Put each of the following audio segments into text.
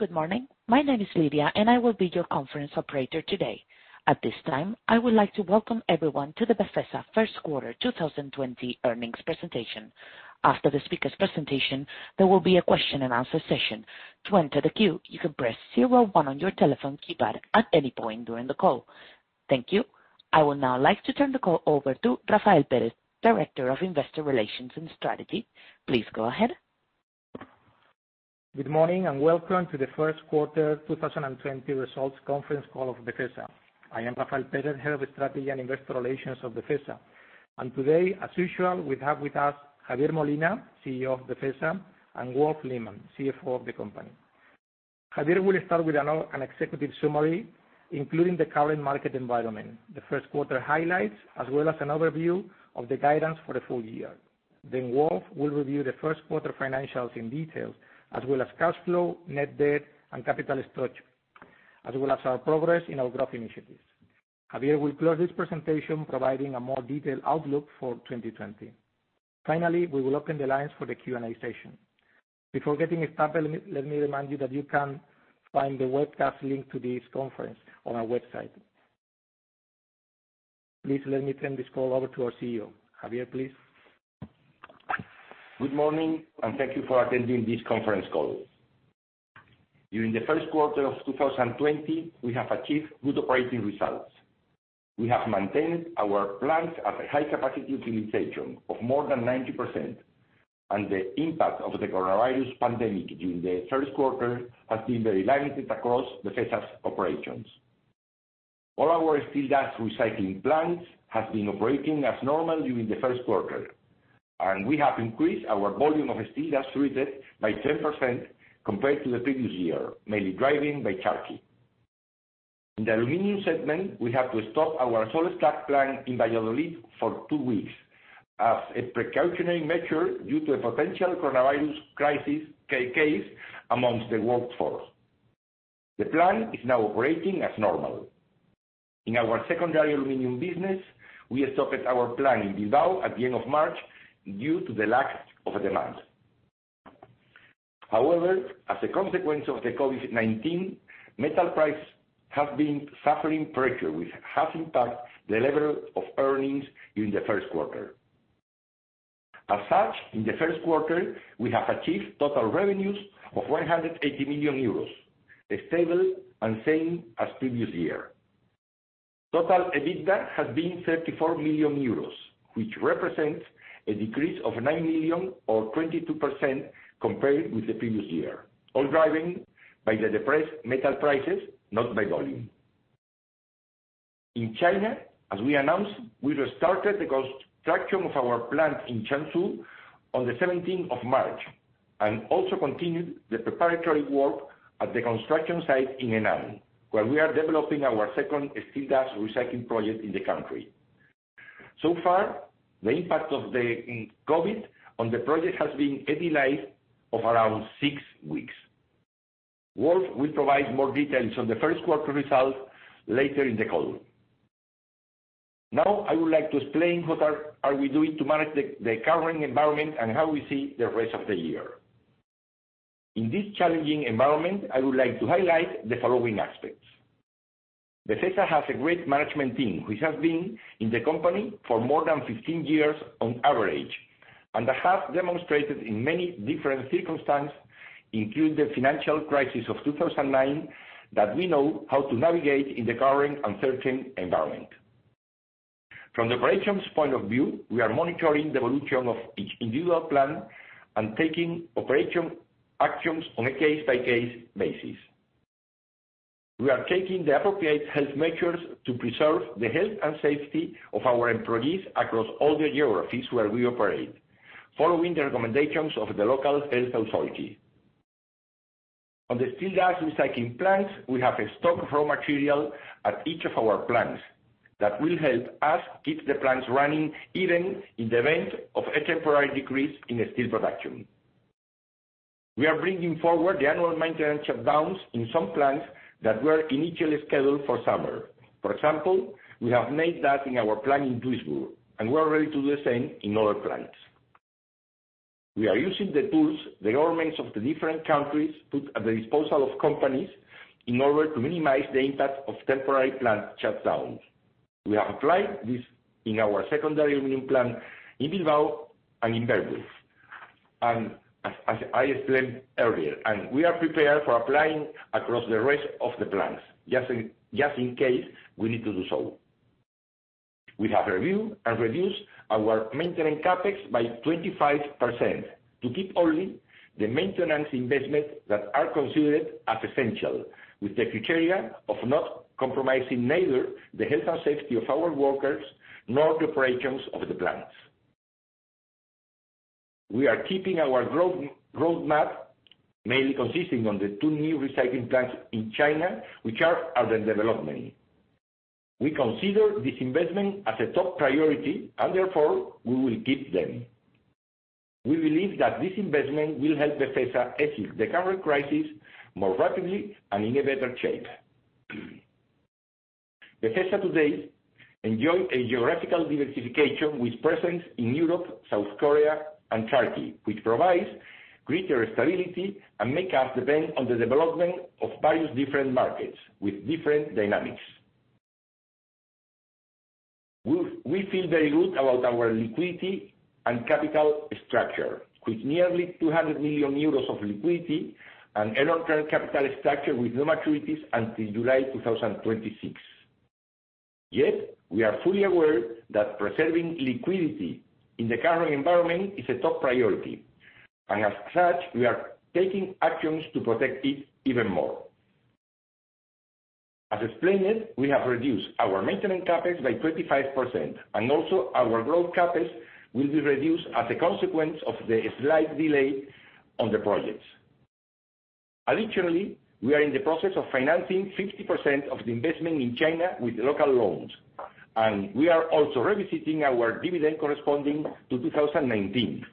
Good morning. My name is Lidia, and I will be your conference operator today. At this time, I would like to welcome everyone to the Befesa First Quarter 2020 Earnings Presentation. After the speaker's presentation, there will be a question and answer session. To enter the queue, you can press zero one on your telephone keypad at any point during the call. Thank you. I would now like to turn the call over to Rafael Perez, Director of Investor Relations and Strategy. Please go ahead. Good morning, and welcome to the first quarter 2020 results conference call of Befesa. I am Rafael Perez, Head of Strategy and Investor Relations of Befesa. Today, as usual, we have with us Javier Molina, CEO of Befesa, and Wolf Lehmann, CFO of the company. Javier will start with an executive summary, including the current market environment, the first quarter highlights, as well as an overview of the guidance for the full year. Wolf will review the first quarter financials in detail, as well as cash flow, net debt, and capital structure, as well as our progress in our growth initiatives. Javier will close this presentation providing a more detailed outlook for 2020. We will open the lines for the Q&A session. Before getting started, let me remind you that you can find the webcast link to this conference on our website. Please let me turn this call over to our CEO. Javier, please. Good morning. Thank you for attending this conference call. During the first quarter of 2020, we have achieved good operating results. We have maintained our plants at a high capacity utilization of more than 90%. The impact of the coronavirus pandemic during the first quarter has been very limited across Befesa's operations. All our steel dust recycling plants have been operating as normal during the first quarter. We have increased our volume of steel dust treated by 10% compared to the previous year, mainly driven by Turkey. In the aluminum segment, we had to stop our salt slag plant in Valladolid for two weeks as a precautionary measure due to a potential coronavirus case amongst the workforce. The plant is now operating as normal. In our secondary aluminum business, we stopped our plant in Bilbao at the end of March due to the lack of demand. As a consequence of the COVID-19, metal prices have been suffering pressure, which has impacted the level of earnings during the first quarter. In the first quarter, we have achieved total revenues of 180 million euros, stable and same as previous year. Total EBITDA has been 34 million euros, which represents a decrease of 9 million or 22% compared with the previous year, all driven by the depressed metal prices, not by volume. In China, as we announced, we restarted the construction of our plant in Jiangsu on the 17th of March, and also continued the preparatory work at the construction site in Henan, where we are developing our second steel dust recycling project in the country. The impact of the COVID-19 on the project has been a delay of around six weeks. Wolf will provide more details on the first quarter results later in the call. Now, I would like to explain what are we doing to manage the current environment and how we see the rest of the year. In this challenging environment, I would like to highlight the following aspects. Befesa has a great management team, which has been in the company for more than 15 years on average, and has demonstrated in many different circumstances, including the financial crisis of 2009, that we know how to navigate in the current uncertain environment. From the operations point of view, we are monitoring the evolution of each individual plant and taking operation actions on a case-by-case basis. We are taking the appropriate health measures to preserve the health and safety of our employees across all the geographies where we operate, following the recommendations of the local health authority. On the steel dust recycling plants, we have a stock of raw material at each of our plants that will help us keep the plants running, even in the event of a temporary decrease in steel production. We are bringing forward the annual maintenance shutdowns in some plants that were initially scheduled for summer. For example, we have made that in our plant in Duisburg, and we are ready to do the same in other plants. We are using the tools the governments of the different countries put at the disposal of companies in order to minimize the impact of temporary plant shutdowns. We have applied this in our secondary aluminum plant in Bilbao and in Bernburg, as I explained earlier, and we are prepared for applying across the rest of the plants, just in case we need to do so. We have reviewed and reduced our maintenance CapEx by 25% to keep only the maintenance investments that are considered as essential, with the criteria of not compromising neither the health and safety of our workers nor the operations of the plants. We are keeping our growth roadmap, mainly consisting on the two new recycling plants in China, which are under development. We consider this investment as a top priority and therefore we will keep them. We believe that this investment will help Befesa exit the current crisis more rapidly and in a better shape. Befesa today enjoys a geographical diversification with presence in Europe, South Korea, and Turkey, which provides greater stability and make us depend on the development of various different markets with different dynamics. We feel very good about our liquidity and capital structure. With nearly 200 million euros of liquidity and long-term capital structure with no maturities until July 2026. Yet, we are fully aware that preserving liquidity in the current environment is a top priority, and as such, we are taking actions to protect it even more. As explained, we have reduced our maintenance CapEx by 25%, and also our growth CapEx will be reduced as a consequence of the slight delay on the projects. Additionally, we are in the process of financing 50% of the investment in China with local loans, and we are also revisiting our dividend corresponding to 2019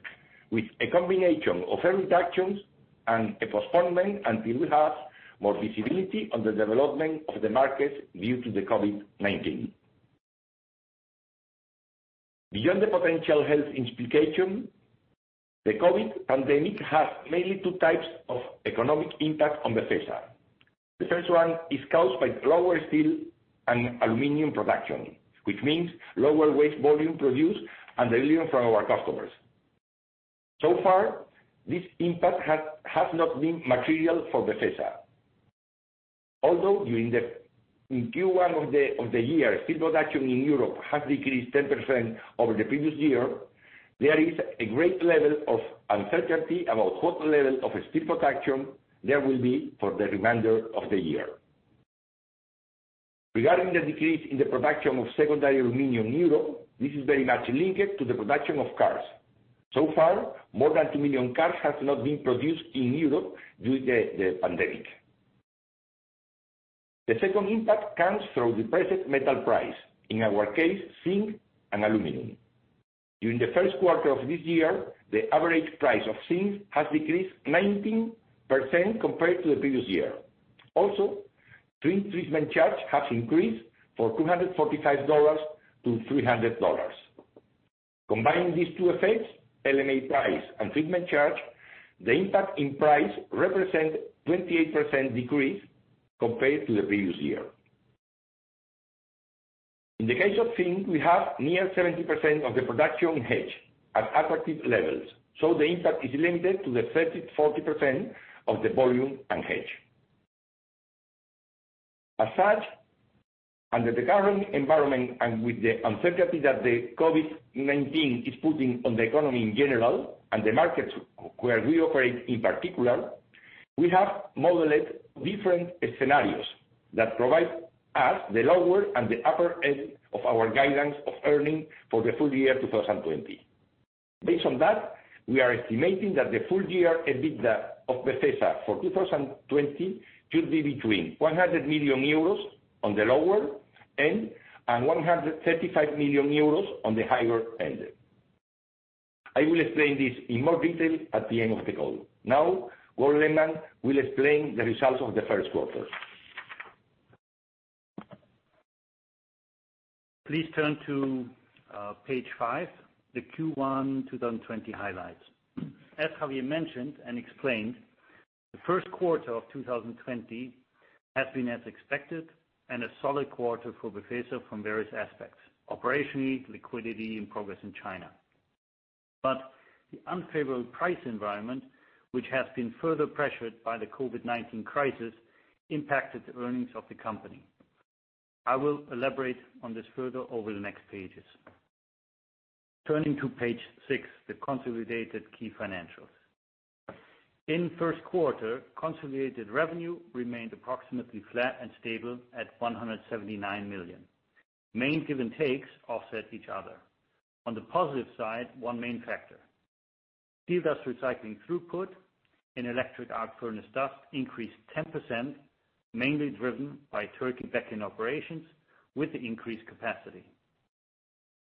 with a combination of reductions and a postponement until we have more visibility on the development of the market due to the COVID-19. Beyond the potential health implication, the COVID pandemic has mainly two types of economic impact on Befesa. The first one is caused by lower steel and aluminum production, which means lower waste volume produced and delivered from our customers. So far, this impact has not been material for Befesa. Although in Q1 of the year, steel production in Europe has decreased 10% over the previous year, there is a great level of uncertainty about what level of steel production there will be for the remainder of the year. Regarding the decrease in the production of secondary aluminum in Europe, this is very much linked to the production of cars. So far, more than two million cars have not been produced in Europe due to the pandemic. The second impact comes from the present metal price, in our case, zinc and aluminum. During the first quarter of this year, the average price of zinc has decreased 19% compared to the previous year. Zinc treatment charge has increased from $245-$300. Combining these two effects, LME price and treatment charge, the impact in price represent 28% decrease compared to the previous year. In the case of zinc, we have near 70% of the production hedged at attractive levels, so the impact is limited to the 30%, 40% of the volume unhedged. Under the current environment and with the uncertainty that the COVID-19 is putting on the economy in general and the markets where we operate in particular, we have modeled different scenarios that provide us the lower and the upper end of our guidance of earning for the full year 2020. Based on that, we are estimating that the full year EBITDA of Befesa for 2020 should be between 100 million euros on the lower end, and 135 million euros on the higher end. I will explain this in more detail at the end of the call. Now, Wolf Lehmann will explain the results of the first quarter. Please turn to page five, the Q1 2020 highlights. As Javier mentioned and explained, the first quarter of 2020 has been as expected, and a solid quarter for Befesa from various aspects: operationally, liquidity, and progress in China. The unfavorable price environment, which has been further pressured by the COVID-19 crisis, impacted the earnings of the company. I will elaborate on this further over the next pages. Turning to page six, the consolidated key financials. In the first quarter, consolidated revenue remained approximately flat and stable at 179 million. Main gives and takes offset each other. On the positive side, one main factor. Steel dust recycling throughput and electric arc furnace dust increased 10%, mainly driven by Turkey back in operations with the increased capacity.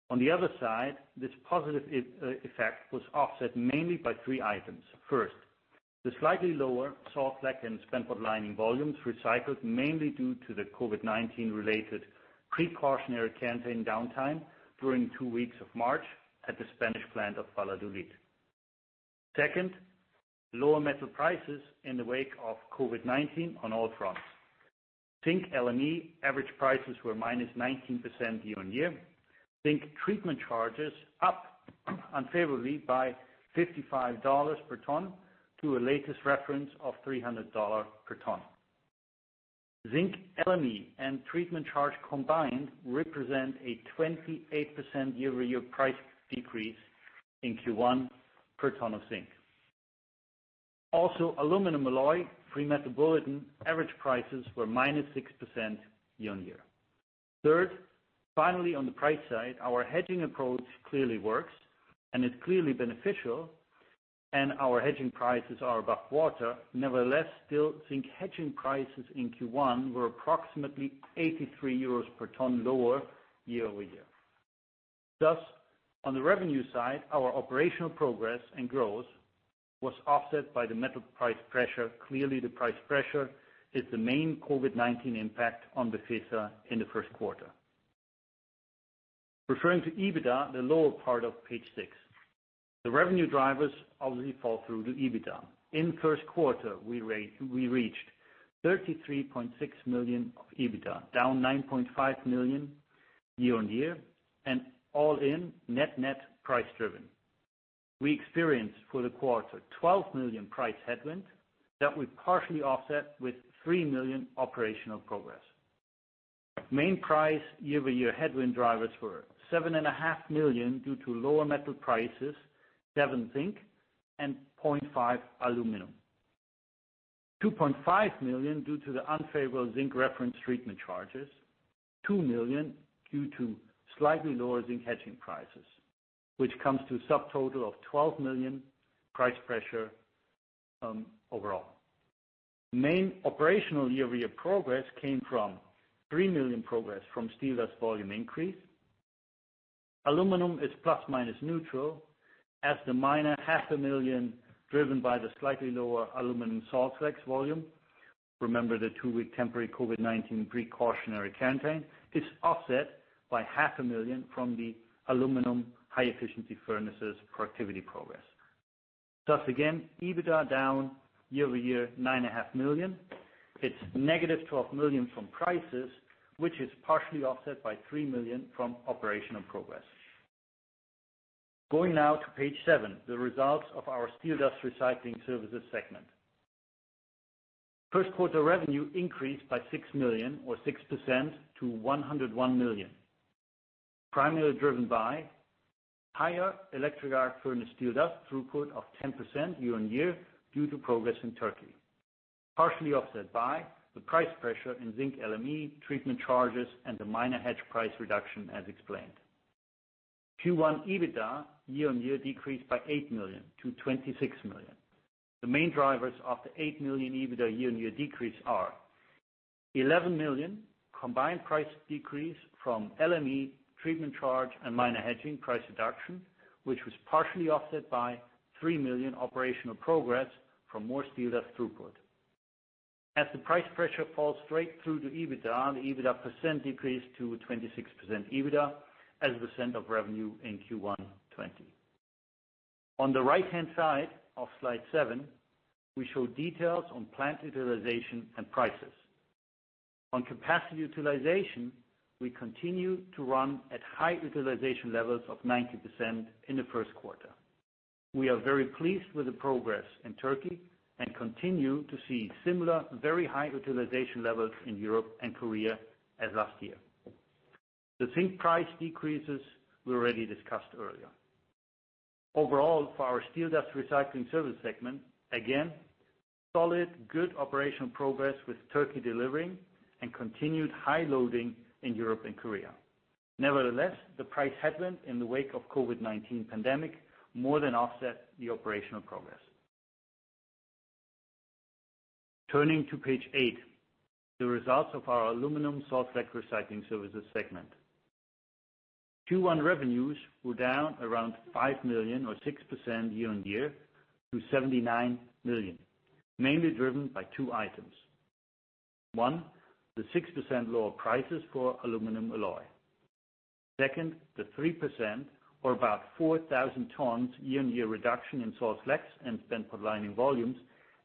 On the other side, this positive effect was offset mainly by three items. First, the slightly lower salt slag and spent pot lining volumes recycled mainly due to the COVID-19 related precautionary campaign downtime during two weeks of March at the Spanish plant of Valladolid. Second, lower metal prices in wake of COVID-19 on all fronts. Zinc LME average prices were -19% year-on-year. Zinc treatment charges up unfavorably by $55 per ton to a latest reference of $300 per ton. Zinc LME and treatment charge combined represent a 28% year-over-year price decrease in Q1 per ton of zinc. Aluminum alloy, Metal Bulletin, average prices were -6% year-on-year. Third, finally, on the price side, our hedging approach clearly works and is clearly beneficial, and our hedging prices are above water. Nevertheless, still, zinc hedging prices in Q1 were approximately 83 euros per ton lower year-over-year. On the revenue side, our operational progress and growth was offset by the metal price pressure. Clearly, the price pressure is the main COVID-19 impact on Befesa in the first quarter. Referring to EBITDA, the lower part of page six. The revenue drivers obviously fall through to EBITDA. In the first quarter, we reached 33.6 million of EBITDA, down 9.5 million year-on-year and all in net-net price driven. We experienced for the quarter, 12 million price headwind that we partially offset with 3 million operational progress. Main price year-over-year headwind drivers were 7.5 million due to lower metal prices, seven zinc and 0.5 aluminum. 2.5 million due to the unfavorable zinc reference treatment charges. 2 million due to slightly lower zinc hedging prices, which comes to a subtotal of 12 million price pressure overall. Main operational year-over-year progress came from 3 million progress from steel dust volume increase. Aluminum is plus/minus neutral as the minor 500,000 driven by the slightly lower aluminum salt slag volume. Remember, the two-week temporary COVID-19 precautionary quarantine is offset by 500,000 from the aluminum high-efficiency furnaces productivity progress. Again, EBITDA down year-over-year, 9.5 million. It's negative 12 million from prices, which is partially offset by 3 million from operational progress. Going now to page seven, the results of our steel dust recycling services segment. First quarter revenue increased by 6 million or 6% to 101 million. Primarily driven by higher electric arc furnace steel dust throughput of 10% year-on-year due to progress in Turkey. Partially offset by the price pressure in zinc LME, treatment charges, and the minor hedge price reduction as explained. Q1 EBITDA year-on-year decreased by 8 million to 26 million. The main drivers of the 8 million EBITDA year-on-year decrease are, 11 million combined price decrease from LME treatment charge and minor hedging price reduction, which was partially offset by 3 million operational progress from more steel dust throughput. As the price pressure falls straight through to EBITDA, the EBITDA percent decreased to 26% EBITDA as a percent of revenue in Q1 2020. On the right-hand side of slide seven, we show details on plant utilization and prices. On capacity utilization, we continue to run at high utilization levels of 90% in the first quarter. We are very pleased with the progress in Turkey and continue to see similar very high utilization levels in Europe and Korea as last year. The zinc price decreases we already discussed earlier. Overall, for our Steel Dust Recycling Services segment, again, solid, good operational progress with Turkey delivering and continued high loading in Europe and Korea. Nevertheless, the price headwind in the wake of COVID-19 pandemic more than offset the operational progress. Turning to page eight, the results of our Aluminium Salt Slags Recycling Services segment. Q1 revenues were down around 5 million or 6% year-on-year to 79 million. Mainly driven by two items. One, the 6% lower prices for aluminum alloy. Second, the 3% or about 4,000 tons year-on-year reduction in salt slags and spent pot lining volumes.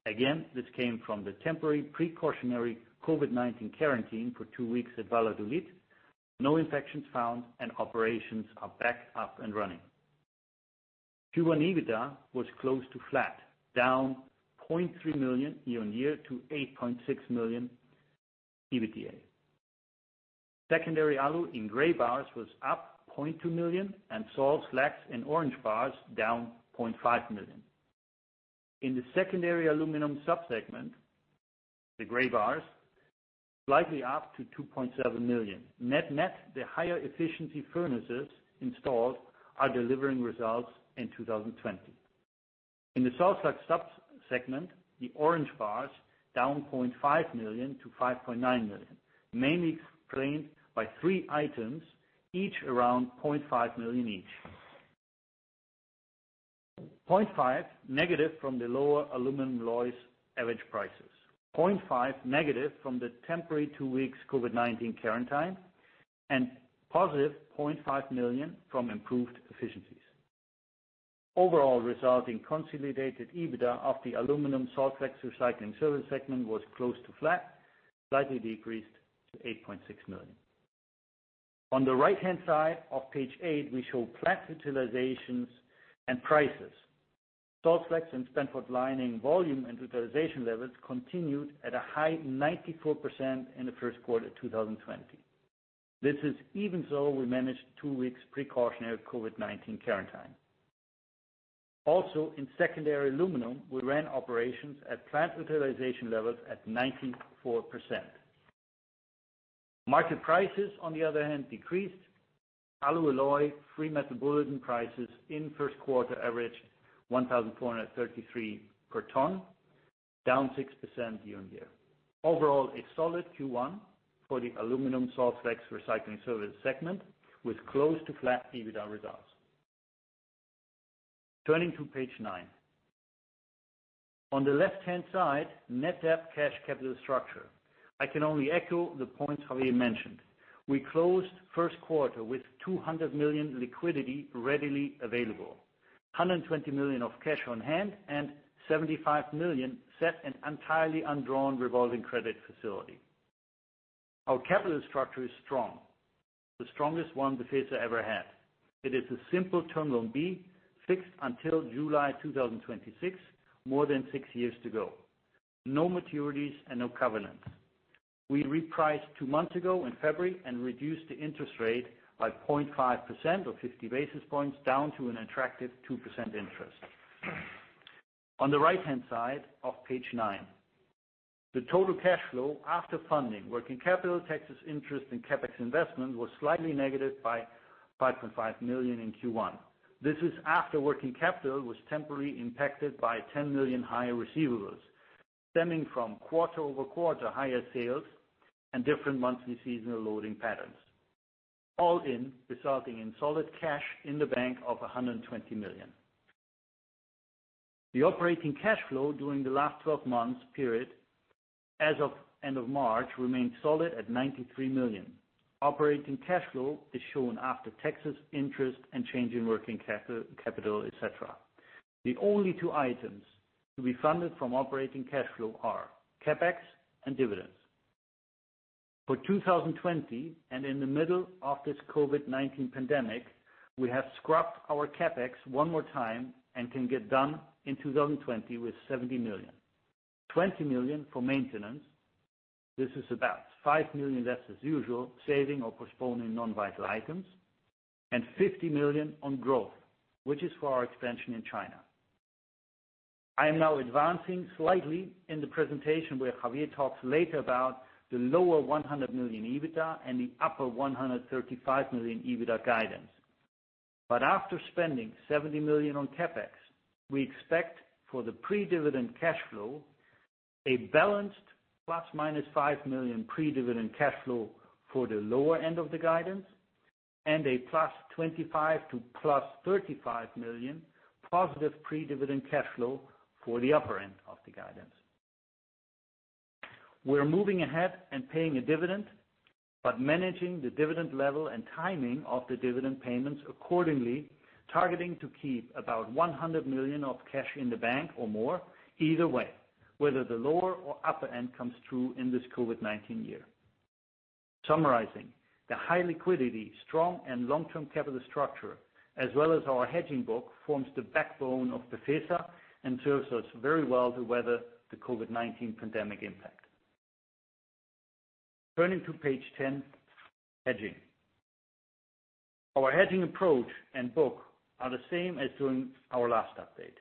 Again, this came from the temporary precautionary COVID-19 quarantine for two weeks at Valladolid. No infections found and operations are back up and running. Q1 EBITDA was close to flat, down 0.3 million year-on-year to 8.6 million EBITDA. Secondary Alu in gray bars was up 0.2 million and salt slags in orange bars down 0.5 million. In the secondary aluminum subsegment, the gray bars, slightly up to 2.7 million. Net-net, the high-efficiency furnaces installed are delivering results in 2020. In the salt slag subsegment, the orange bars, down 0.5 million to 5.9 million, mainly explained by three items, each around 0.5 million each. 0.5 negative from the lower aluminum alloys average prices. 0.5 negative from the temporary two weeks COVID-19 quarantine and positive 0.5 million from improved efficiencies. Overall, resulting consolidated EBITDA of the Aluminium Salt Slags Recycling Services segment was close to flat, slightly decreased to 8.6 million. On the right-hand side of page eight, we show plant utilizations and prices. Salt slags and spent potlining volume and utilization levels continued at a high 94% in the first quarter 2020. This is even so we managed two weeks precautionary COVID-19 quarantine. In secondary aluminum, we ran operations at plant utilization levels at 94%. Market prices, on the other hand, decreased. Alu alloy, free Metal Bulletin prices in first quarter averaged 1,433 per ton. Down 6% year-on-year. Overall, a solid Q1 for the Aluminium Salt Slags Recycling Services segment, with close to flat EBITDA results. Turning to page nine. On the left-hand side, net debt cash capital structure. I can only echo the points Javier mentioned. We closed first quarter with 200 million liquidity readily available, 120 million of cash on hand, and 75 million set in entirely undrawn revolving credit facility. Our capital structure is strong, the strongest one Befesa ever had. It is a simple term loan B, fixed until July 2026, more than six years to go. No maturities and no covenants. We repriced two months ago in February and reduced the interest rate by 0.5% or 50 basis points down to an attractive 2% interest. On the right-hand side of page nine, the total cash flow after funding, working capital, taxes, interest, and CapEx investment was slightly negative by 5.5 million in Q1. This is after working capital was temporarily impacted by 10 million higher receivables, stemming from quarter-over-quarter higher sales and different monthly seasonal loading patterns, all in resulting in solid cash in the bank of 120 million. The operating cash flow during the last 12 months period as of end of March remained solid at 93 million. Operating cash flow is shown after taxes, interest, and change in working capital, et cetera. The only two items to be funded from operating cash flow are CapEx and dividends. For 2020 and in the middle of this COVID-19 pandemic, we have scrapped our CapEx one more time and can get done in 2020 with 70 million. 20 million for maintenance. This is about 5 million less as usual, saving or postponing non-vital items, and 50 million on growth, which is for our expansion in China. I am now advancing slightly in the presentation where Javier talks later about the lower 100 million EBITDA and the upper 135 million EBITDA guidance. After spending 70 million on CapEx, we expect for the pre-dividend cash flow, a balanced ±5 million pre-dividend cash flow for the lower end of the guidance, and a +25 million to +35 million positive pre-dividend cash flow for the upper end of the guidance. We're moving ahead and paying a dividend, but managing the dividend level and timing of the dividend payments accordingly, targeting to keep about 100 million of cash in the bank or more either way, whether the lower or upper end comes through in this COVID-19 year. Summarizing, the high liquidity, strong and long-term capital structure, as well as our hedging book, forms the backbone of Befesa and serves us very well to weather the COVID-19 pandemic impact. Turning to page 10, hedging. Our hedging approach and book are the same as during our last update.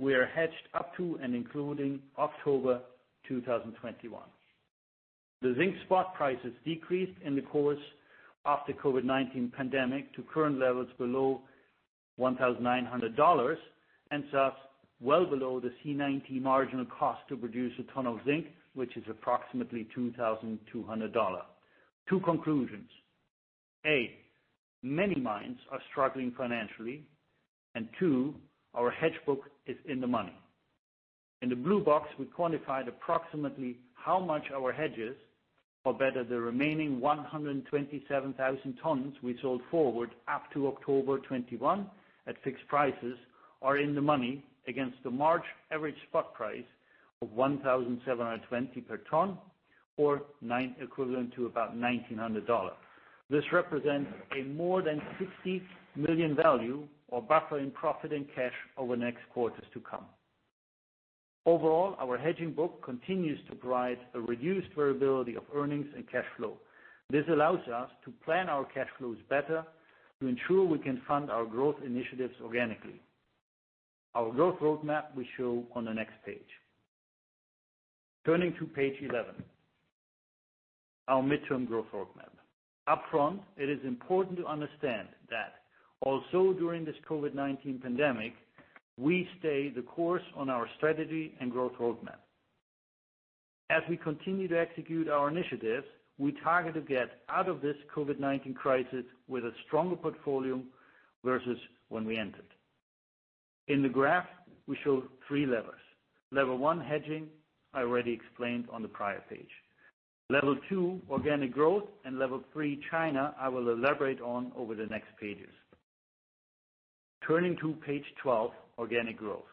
We are hedged up to and including October 2021. The zinc spot prices decreased in the course of the COVID-19 pandemic to current levels below $1,900, well below the C1 marginal cost to produce a ton of zinc, which is approximately $2,200. Two conclusions. A, many mines are struggling financially, and two, our hedge book is in the money. In the blue box, we quantified approximately how much our hedges or better the remaining 127,000 tons we sold forward up to October 2021 at fixed prices are in the money against the March average spot price of $1,720 per ton or equivalent to about $1,900. This represents a more than $60 million value or buffer in profit and cash over the next quarters to come. Our hedging book continues to provide a reduced variability of earnings and cash flow. This allows us to plan our cash flows better to ensure we can fund our growth initiatives organically. Our growth roadmap we show on the next page. Turning to page 11, our midterm growth roadmap. Upfront, it is important to understand that also during this COVID-19 pandemic, we stay the course on our strategy and growth roadmap. As we continue to execute our initiatives, we target to get out of this COVID-19 crisis with a stronger portfolio versus when we entered. In the graph, we show three levels. Level 1, hedging, I already explained on the prior page. Level 2, organic growth, and Level 3, China, I will elaborate on over the next pages. Turning to page 12, organic growth.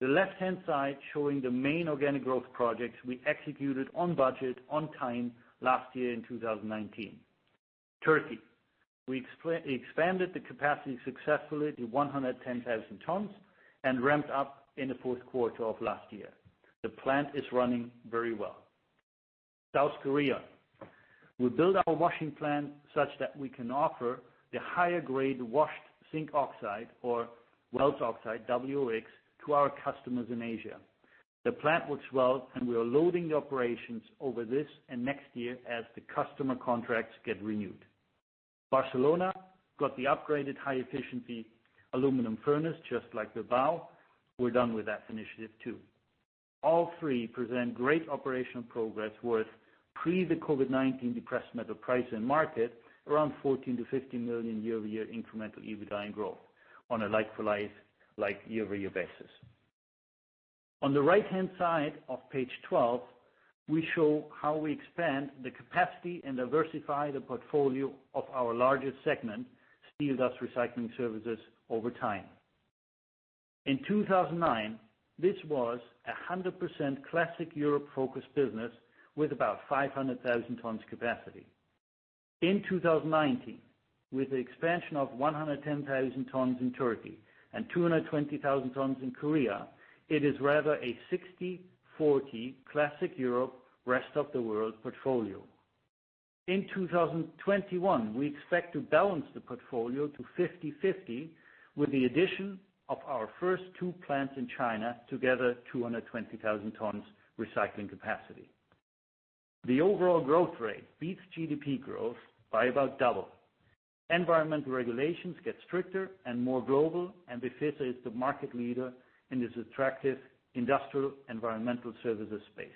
The left-hand side showing the main organic growth projects we executed on budget, on time last year in 2019. Turkey. We expanded the capacity successfully to 110,000 tons and ramped up in the fourth quarter of last year. The plant is running very well. South Korea. We built our washing plant such that we can offer the higher grade washed zinc oxide or Waelz oxide, WOX, to our customers in Asia. The plant works well, we are loading the operations over this and next year as the customer contracts get renewed. Barcelona got the upgraded high-efficiency aluminum furnace, just like Bilbao. We are done with that initiative, too. All three present great operational progress worth, pre the COVID-19 depressed metal price and market, around 14 million-15 million year-over-year incremental EBITDA growth, on a like-for-like year-over-year basis. On the right-hand side of page 12, we show how we expand the capacity and diversify the portfolio of our largest segment, Steel Dust Recycling Services, over time. In 2009, this was 100% classic Europe-focused business, with about 500,000 tons capacity. In 2019, with the expansion of 110,000 tons in Turkey and 220,000 tons in Korea, it is rather a 60/40 classic Europe, rest of the world portfolio. In 2021, we expect to balance the portfolio to 50/50, with the addition of our first two plants in China, together 220,000 tons recycling capacity. The overall growth rate beats GDP growth by about double. Environmental regulations get stricter and more global, and Befesa is the market leader in this attractive industrial environmental services space.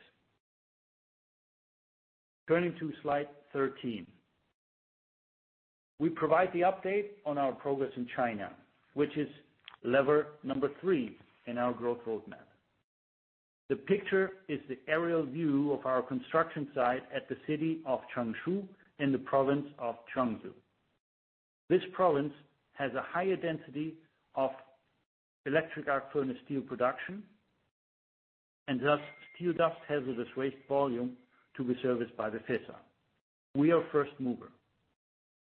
Turning to slide 13. We provide the update on our progress in China, which is lever number three in our growth roadmap. The picture is the aerial view of our construction site at the city of Changzhou, in the province of Jiangsu. This province has a higher density of electric arc furnace steel production, and thus, steel dust hazardous waste volume to be serviced by Befesa. We are first mover.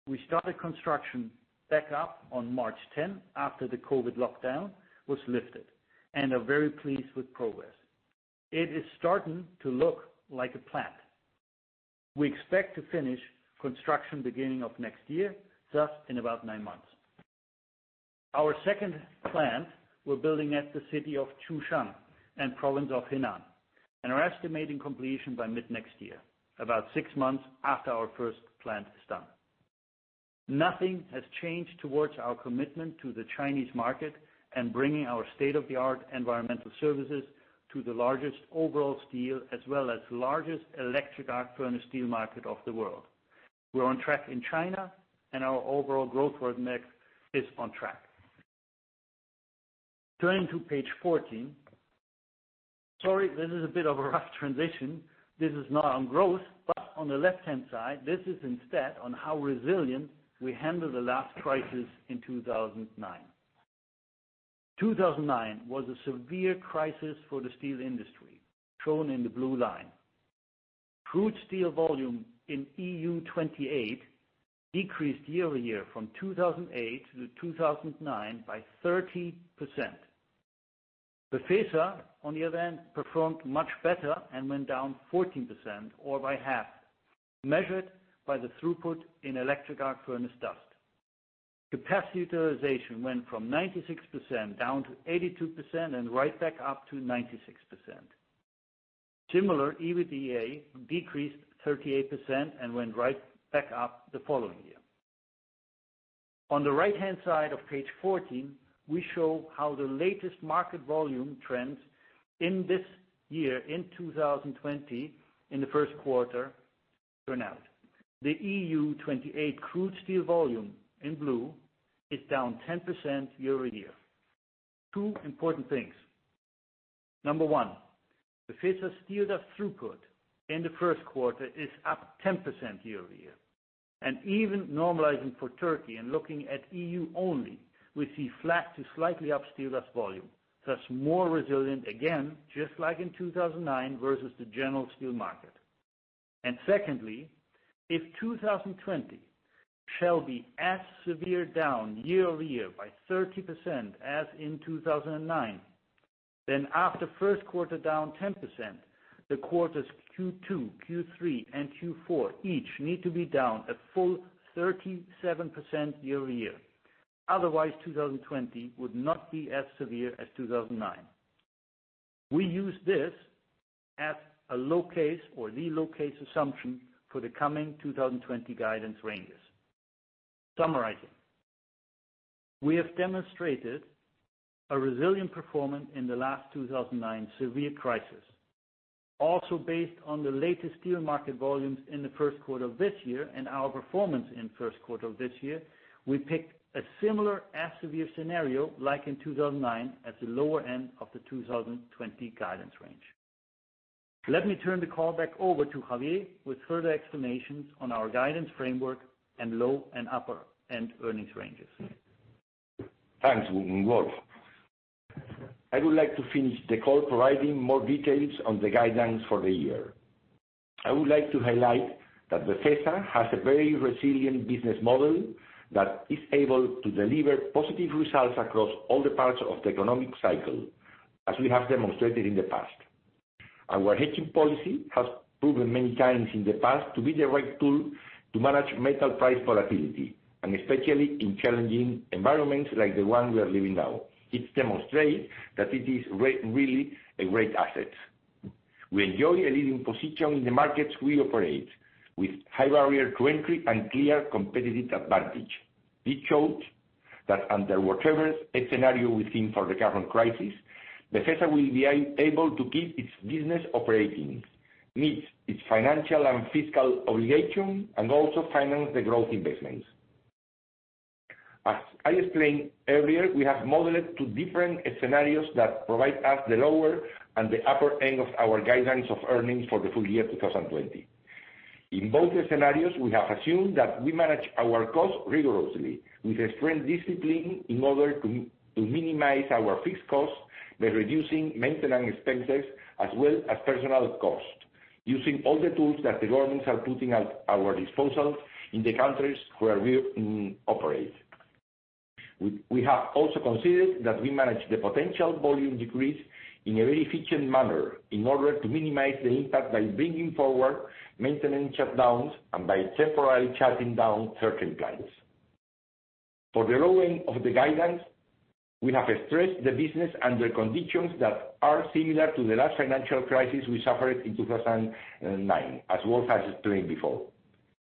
We started construction back up on March 10, after the COVID lockdown was lifted, and are very pleased with progress. It is starting to look like a plant. We expect to finish construction beginning of next year, thus in about nine months. Our second plant, we're building at the city of Xuchang and province of Henan, and are estimating completion by mid-next year, about six months after our first plant is done. Nothing has changed towards our commitment to the Chinese market and bringing our state-of-the-art environmental services to the largest overall steel, as well as largest electric arc furnace steel market of the world. We're on track in China, and our overall growth roadmap is on track. Turning to page 14. Sorry, this is a bit of a rough transition. This is not on growth, but on the left-hand side, this is instead on how resilient we handled the last crisis in 2009. 2009 was a severe crisis for the steel industry, shown in the blue line. Crude steel volume in EU 28 decreased year-over-year from 2008-2009 by 30%. Befesa, on the other hand, performed much better and went down 14%, or by half, measured by the throughput in electric arc furnace dust. Capacity utilization went from 96% down to 82% and right back up to 96%. Similar, EBITDA decreased 38% and went right back up the following year. On the right-hand side of page 14, we show how the latest market volume trends in this year, in 2020, in the first quarter, turn out. The EU 28 crude steel volume, in blue, is down 10% year-over-year. Two important things. Number one, Befesa steel dust throughput in the first quarter is up 10% year-over-year. Even normalizing for Turkey and looking at EU only, we see flat to slightly up steel dust volume, thus more resilient, again, just like in 2009, versus the general steel market. Secondly, if 2020 shall be as severe down year-over-year by 30% as in 2009, then after first quarter down 10%, the quarters Q2, Q3, and Q4 each need to be down a full 37% year-over-year. Otherwise, 2020 would not be as severe as 2009. We use this as a low case or the low case assumption for the coming 2020 guidance ranges. Summarizing. We have demonstrated a resilient performance in the last 2009 severe crisis. Based on the latest steel market volumes in the first quarter of this year and our performance in first quarter of this year, we picked a similar as severe scenario like in 2009 at the lower end of the 2020 guidance range. Let me turn the call back over to Javier with further explanations on our guidance framework and low and upper end earnings ranges. Thanks, Wolf. I would like to finish the call providing more details on the guidance for the year. I would like to highlight that Befesa has a very resilient business model that is able to deliver positive results across all the parts of the economic cycle, as we have demonstrated in the past. Our hedging policy has proven many times in the past to be the right tool to manage metal price volatility, and especially in challenging environments like the one we are living now. It demonstrates that it is really a great asset. We enjoy a leading position in the markets we operate, with high barrier to entry and clear competitive advantage. This shows that under whatever scenario we see for the current crisis, Befesa will be able to keep its business operating, meet its financial and fiscal obligations, and also finance the growth investments. As I explained earlier, we have modeled two different scenarios that provide us the lower and the upper end of our guidelines of earnings for the full year 2020. In both scenarios, we have assumed that we manage our costs rigorously with a strong discipline in order to minimize our fixed costs by reducing maintenance expenses as well as personnel costs, using all the tools that the governments are putting at our disposal in the countries where we operate. We have also considered that we manage the potential volume decrease in a very efficient manner in order to minimize the impact by bringing forward maintenance shutdowns and by temporarily shutting down certain plants. For the low end of the guidance, we have stressed the business under conditions that are similar to the last financial crisis we suffered in 2009, as Wolf has explained before.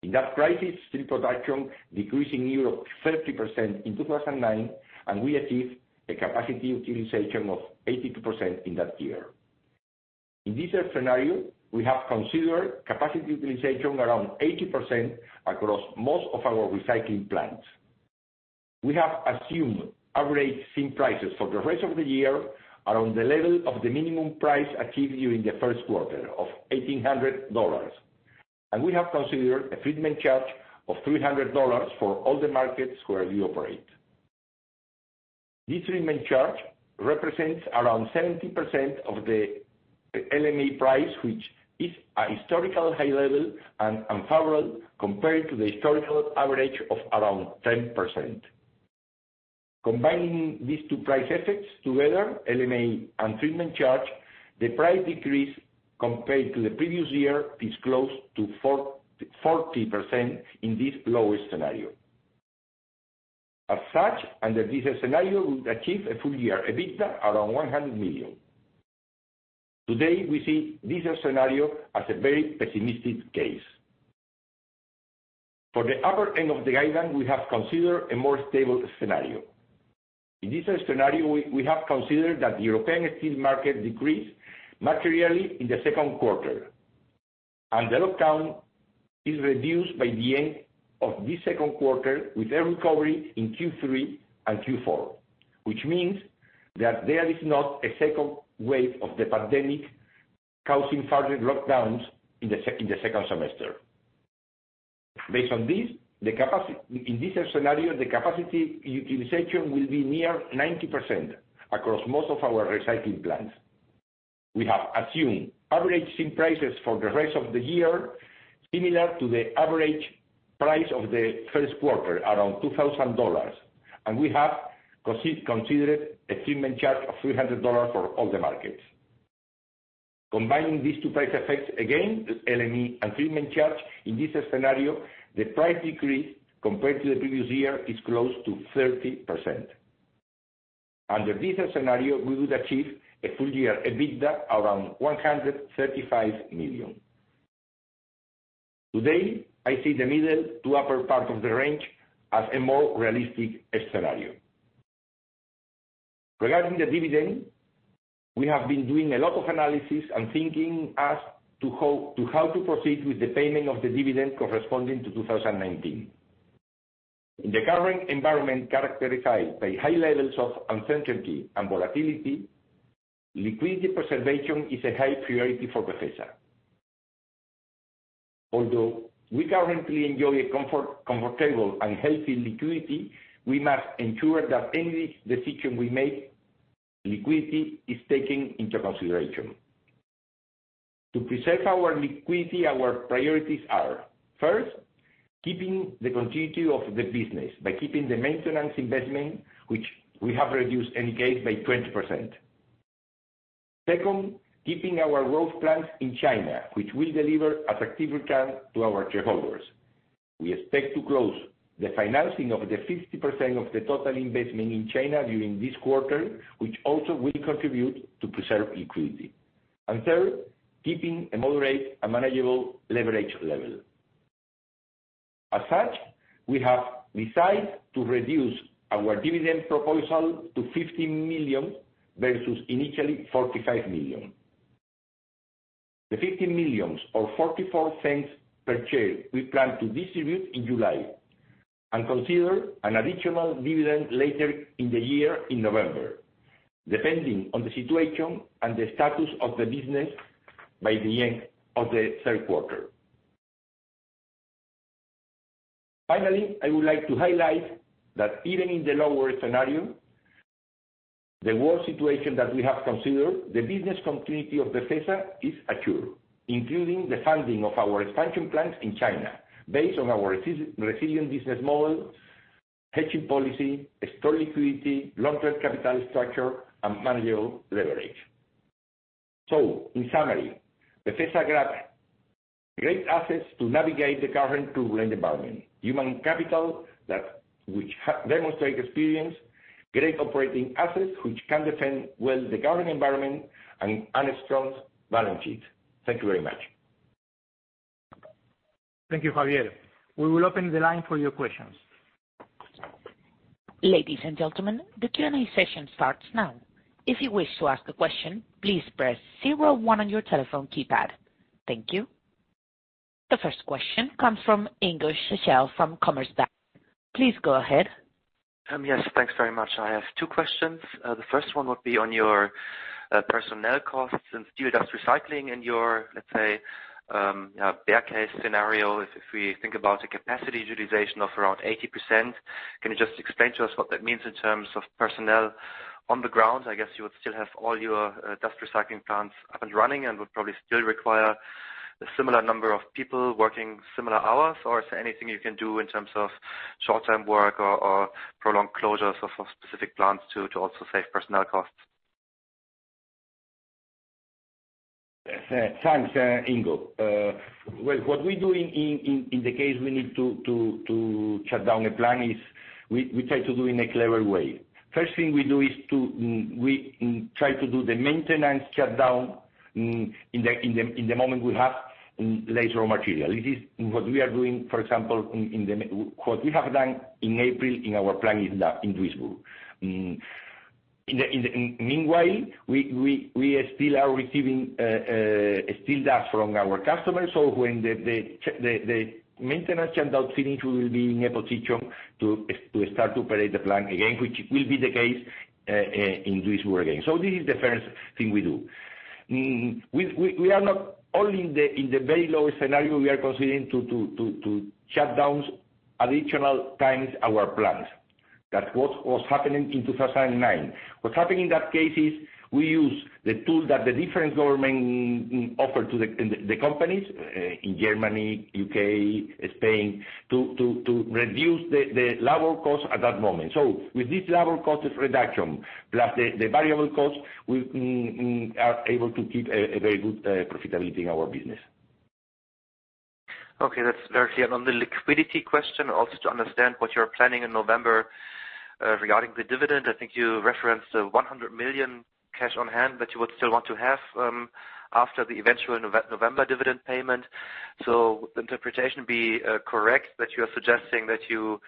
In that crisis, steel production decreased in Europe 30% in 2009, and we achieved a capacity utilization of 82% in that year. In this scenario, we have considered capacity utilization around 80% across most of our recycling plants. We have assumed average steel prices for the rest of the year around the level of the minimum price achieved during the first quarter of $1,800. We have considered a treatment charge of $300 for all the markets where we operate. This treatment charge represents around 70% of the LME price, which is a historical high level and unfavorable compared to the historical average of around 10%. Combining these two price effects together, LME and treatment charge, the price decrease compared to the previous year is close to 40% in this lower scenario. As such, under this scenario, we would achieve a full year EBITDA around 100 million. Today, we see this scenario as a very pessimistic case. For the upper end of the guidance, we have considered a more stable scenario. In this scenario, we have considered that the European steel market decreased materially in the second quarter and the lockdown is reduced by the end of this second quarter with a recovery in Q3 and Q4, which means that there is not a second wave of the pandemic causing further lockdowns in the second semester. Based on this, in this scenario, the capacity utilization will be near 90% across most of our recycling plants. We have assumed average steel prices for the rest of the year similar to the average price of the first quarter, around $2,000, and we have considered a treatment charge of $300 for all the markets. Combining these two price effects, again, LME and treatment charge, in this scenario, the price decrease compared to the previous year is close to 30%. Under this scenario, we would achieve a full year EBITDA around 135 million. Today, I see the middle to upper part of the range as a more realistic scenario. Regarding the dividend, we have been doing a lot of analysis and thinking as to how to proceed with the payment of the dividend corresponding to 2019. In the current environment, characterized by high levels of uncertainty and volatility, liquidity preservation is a high priority for Befesa. Although we currently enjoy a comfortable and healthy liquidity, we must ensure that any decision we make, liquidity is taken into consideration. To preserve our liquidity, our priorities are, first, keeping the continuity of the business by keeping the maintenance investment, which we have reduced any case by 20%. Second, keeping our growth plans in China, which will deliver attractive return to our shareholders. We expect to close the financing of the 50% of the total investment in China during this quarter, which also will contribute to preserve liquidity. Third, keeping a moderate and manageable leverage level. As such, we have decided to reduce our dividend proposal to 50 million versus initially 45 million. The 50 million or 0.44 per share we plan to distribute in July and consider an additional dividend later in the year in November, depending on the situation and the status of the business by the end of the third quarter. Finally, I would like to highlight that even in the lower scenario, the worst situation that we have considered, the business continuity of Befesa is assured, including the funding of our expansion plans in China based on our resilient business model, hedging policy, strong liquidity, long-term capital structure and manageable leverage. In summary, Befesa Group. Great assets to navigate the current turbulent environment. Human capital which demonstrate experience, great operating assets which can defend well the current environment, and a strong balance sheet. Thank you very much. Thank you, Javier. We will open the line for your questions. Ladies and gentlemen, the Q&A session starts now. If you wish to ask a question, please press zero one on your telephone keypad. Thank you. The first question comes from Ingo Schachel from Commerzbank. Please go ahead. Yes, thanks very much. I have two questions. The first one would be on your personnel costs and steel dust recycling in your, let's say, bear case scenario. If we think about a capacity utilization of around 80%, can you just explain to us what that means in terms of personnel on the ground? I guess you would still have all your dust recycling plants up and running and would probably still require a similar number of people working similar hours. Is there anything you can do in terms of short-term work or prolonged closures of specific plants to also save personnel costs? Thanks, Ingo. What we do in the case we need to shut down a plant is we try to do in a clever way. First thing we do is we try to do the maintenance shutdown in the moment we have less raw material. This is what we have done in April in our plant in Duisburg. Meanwhile, we still are receiving steel dust from our customers, when the maintenance shutdown finishes, we will be in a position to start to operate the plant again, which will be the case in Duisburg again. This is the first thing we do. Only in the very lowest scenario, we are considering to shut down additional times our plants. That what was happening in 2009. What happened in that case is we use the tools that the different governments offer to the companies in Germany, U.K., Spain, to reduce the labor cost at that moment. With this labor cost reduction, plus the variable cost, we are able to keep a very good profitability in our business. Okay, that's very clear. On the liquidity question, also to understand what you're planning in November regarding the dividend. I think you referenced the 100 million cash on hand that you would still want to have after the eventual November dividend payment. Would the interpretation be correct that you are suggesting that you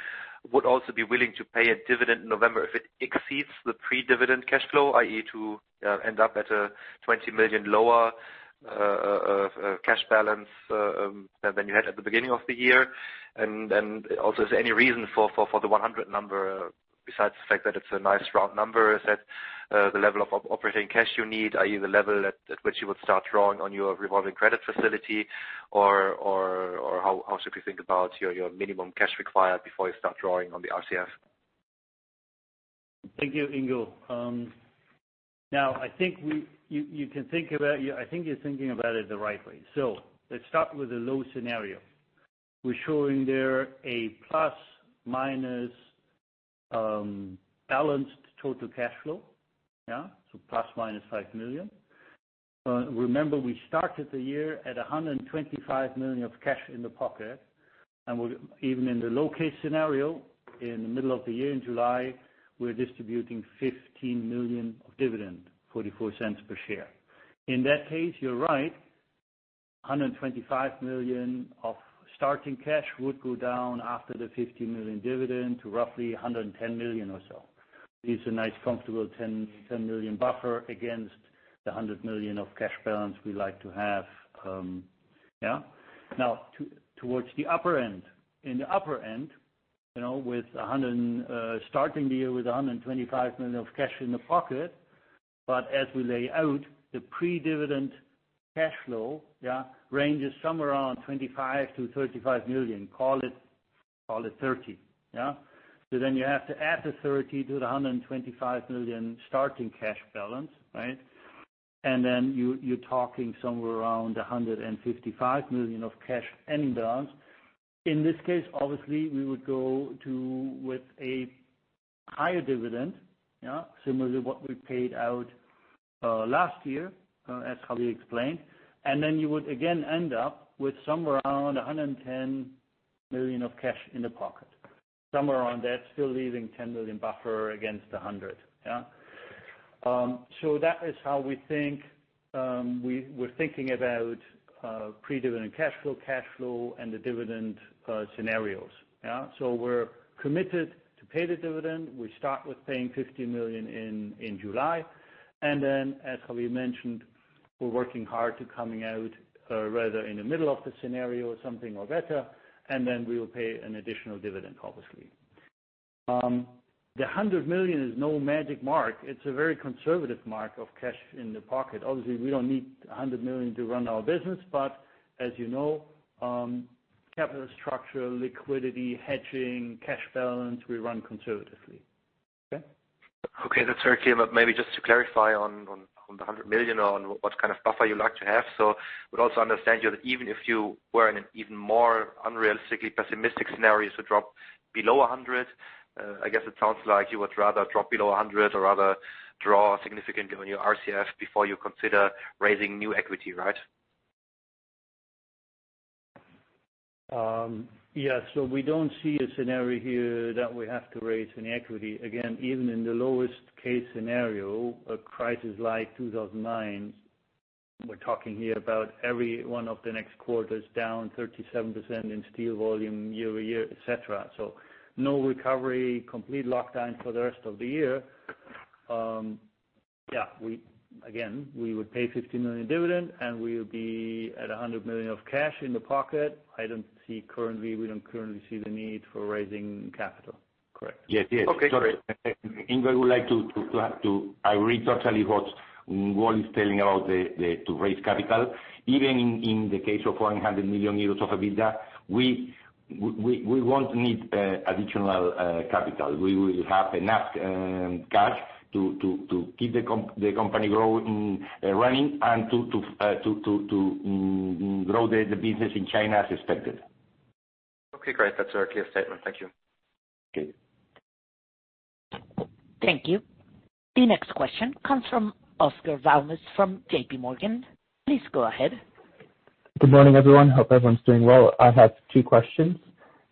would also be willing to pay a dividend in November if it exceeds the pre-dividend cash flow, i.e., to end up at a 20 million lower cash balance than you had at the beginning of the year? Is there any reason for the 100 number besides the fact that it's a nice round number? Is that the level of operating cash you need, i.e., the level at which you would start drawing on your revolving credit facility or how should we think about your minimum cash required before you start drawing on the RCF? Thank you, Ingo. Now, I think you're thinking about it the right way. Let's start with the low scenario. We're showing there a plus/minus balanced total cash flow. ±5 million. Remember, we started the year at 125 million of cash in the pocket, and even in the low-case scenario, in the middle of the year in July, we're distributing 15 million of dividend, 0.44 per share. In that case, you're right. 125 million of starting cash would go down after the 15 million dividend to roughly 110 million or so. It's a nice, comfortable 10 million buffer against the 100 million of cash balance we like to have. Now, towards the upper end. In the upper end, starting the year with 125 million of cash in the pocket, but as we lay out the pre-dividend cash flow ranges somewhere around 25 million-35 million, call it 30 million. You have to add the 30 to the 125 million starting cash balance, right? You're talking somewhere around 155 million of cash ending balance. In this case, obviously, we would go to with a higher dividend, similarly what we paid out last year, as Javier explained, you would again end up with somewhere around 110 million of cash in the pocket. Somewhere around that, still leaving 10 million buffer against 100 million. That is how we're thinking about pre-dividend cash flow and the dividend scenarios. We're committed to pay the dividend. We start with paying 15 million in July, as Javier mentioned, we're working hard to coming out rather in the middle of the scenario or something or better, we will pay an additional dividend, obviously. The 100 million is no magic mark. It's a very conservative mark of cash in the pocket. Obviously, we don't need 100 million to run our business, but as you know, capital structure, liquidity, hedging, cash balance, we run conservatively. Okay? Okay. That's very clear. Maybe just to clarify on the 100 million on what kind of buffer you like to have. Would also understand you that even if you were in an even more unrealistically pessimistic scenario to drop below hundred, I guess it sounds like you would rather drop below hundred or rather draw significant on your RCF before you consider raising new equity, right? Yes. We don't see a scenario here that we have to raise any equity. Again, even in the lowest case scenario, a crisis like 2009, we're talking here about every one of the next quarters down 37% in steel volume year-over-year, et cetera. No recovery, complete lockdown for the rest of the year. Again, we would pay a 15 million dividend, and we'll be at 100 million of cash in the pocket. We don't currently see the need for raising capital. Correct. Yes. Sorry. Ingo, I agree totally what Wolf is telling about to raise capital. Even in the case of 100 million euros of EBITDA, we won't need additional capital. We will have enough cash to keep the company running and to grow the business in China as expected. Okay, great. That's a clear statement. Thank you. Okay. Thank you. The next question comes from Oscar Valmes from JPMorgan. Please go ahead. Good morning, everyone. Hope everyone's doing well. I have two questions.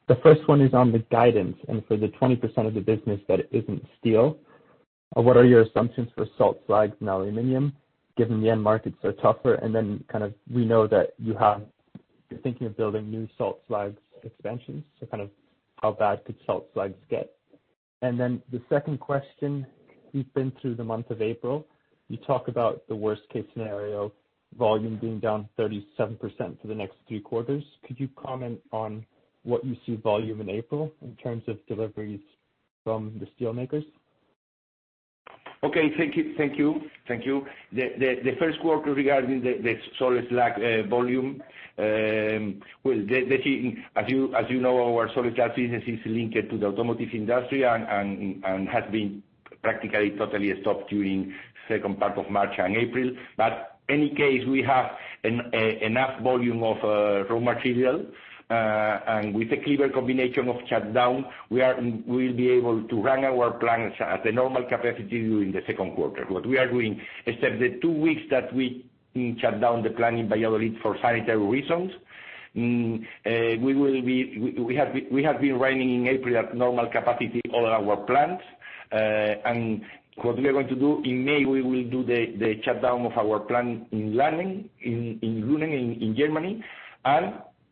The first one is on the guidance, and for the 20% of the business that isn't steel, what are your assumptions for salt slags and aluminum, given the end markets are tougher? We know that you're thinking of building new salt slags expansions. How bad could salt slags get? The second question, you've been through the month of April. You talk about the worst case scenario, volume being down 37% for the next three quarters. Could you comment on what you see volume in April in terms of deliveries from the steel makers? Okay. Thank you. The first quarter, regarding the salt slag volume. Well, as you know, our salt slag business is linked to the automotive industry and has been practically totally stopped during second part of March and April. In any case, we have enough volume of raw material. With a clever combination of shutdown, we'll be able to run our plants at the normal capacity during the second quarter. What we are doing, except the two weeks that we shut down the plant in Valladolid for sanitary reasons, we have been running in April at normal capacity all our plants. What we are going to do in May, we will do the shutdown of our plant in Lünen, in Germany.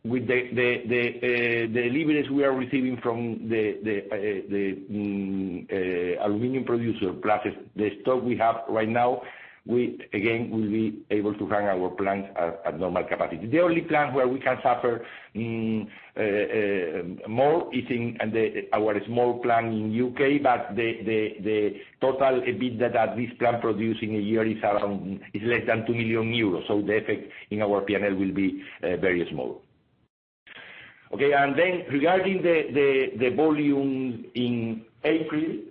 With the deliveries we are receiving from the aluminum producer plus the stock we have right now, we, again, will be able to run our plants at normal capacity. The only plant where we can suffer more is in our small plant in U.K., the total EBITDA that this plant producing a year is less than 2 million euros. The effect in our P&L will be very small. Regarding the volume in April.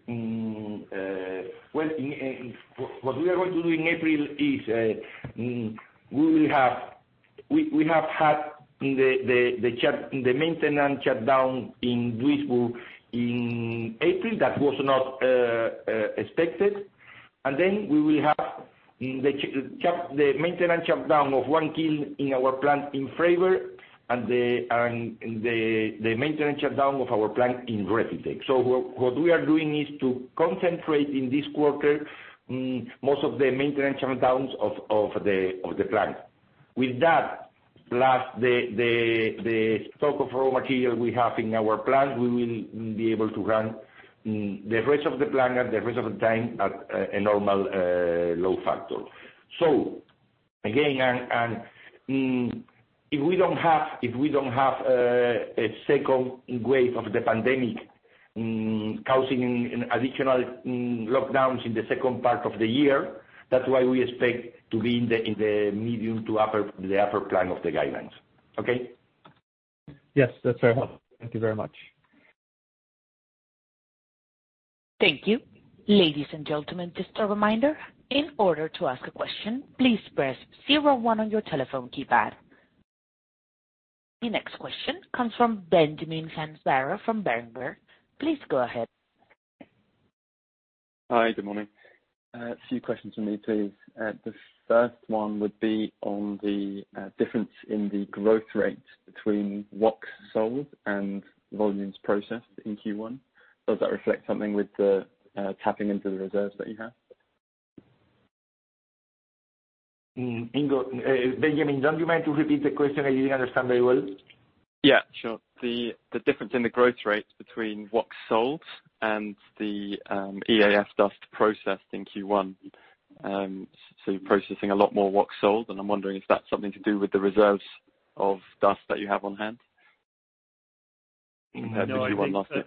What we are going to do in April is, we have had the maintenance shutdown in Duisburg in April. That was not expected. We will have the maintenance shutdown of one kiln in our plant in Freiberg and the maintenance shutdown of our plant in Recytech. What we are doing is to concentrate in this quarter most of the maintenance shutdowns of the plant. With that, plus the stock of raw material we have in our plant, we will be able to run the rest of the plant at the rest of the time at a normal load factor. Again, if we don't have a second wave of the pandemic causing additional lockdowns in the second part of the year, that's why we expect to be in the medium to the upper plan of the guidelines. Okay? Yes, that's very helpful. Thank you very much. Thank you. Ladies and gentlemen, just a reminder. In order to ask a question, please press zero one on your telephone keypad. The next question comes from Benjamin Sansara from Berenberg. Please go ahead. Hi. Good morning. A few questions from me, please. The first one would be on the difference in the growth rates between WOX sold and volumes processed in Q1. Does that reflect something with the tapping into the reserves that you have? Benjamin, do you mind to repeat the question? I didn't understand very well. Sure. The difference in the growth rates between WOX sold and the EAF dust processed in Q1. You're processing a lot more WOX sold, and I'm wondering if that's something to do with the reserves of dust that you have on hand compared to Q1 last year.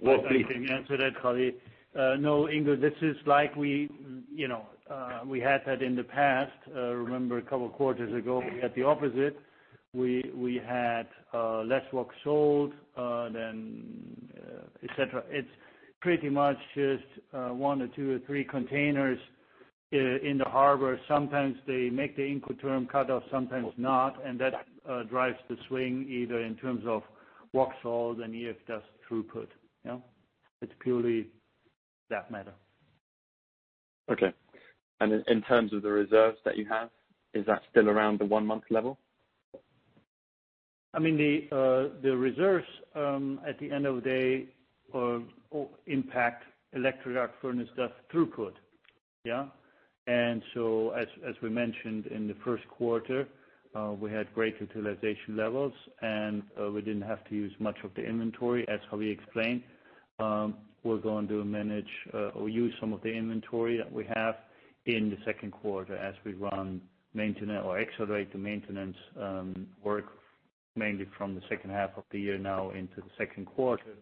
Well, please. No, I think I can answer that, Javi. No, Ingo, this is like we had that in the past. Remember a couple of quarters ago, we had the opposite. We had less WOX sold, et cetera. It is pretty much just one or two or three containers in the harbor. Sometimes they make the Incoterm cutoff, sometimes not, and that drives the swing either in terms of WOX sold and EAF dust throughput. It is purely that matter. Okay. In terms of the reserves that you have, is that still around the one-month level? The reserves, at the end of the day, impact electric arc furnace dust throughput. As we mentioned in the first quarter, we had great utilization levels, and we didn't have to use much of the inventory, as Javier explained. We're going to manage or use some of the inventory that we have in the second quarter as we run or accelerate the maintenance work, mainly from the second half of the year now into the second quarter,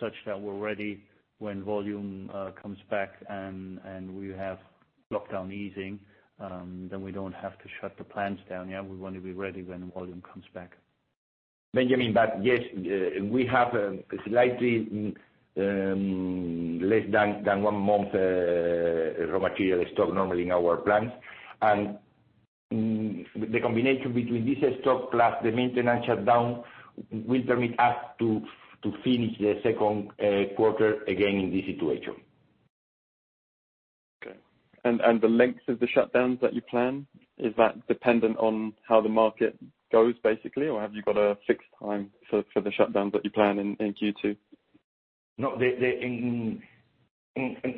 such that we're ready when volume comes back and we have lockdown easing. We don't have to shut the plants down. We want to be ready when volume comes back. Benjamin, yes, we have slightly less than one month raw material stock normally in our plants. The combination between this stock plus the maintenance shutdown will permit us to finish the second quarter again in this situation. Okay. The length of the shutdowns that you plan, is that dependent on how the market goes, basically, or have you got a fixed time for the shutdowns that you plan in Q2? No.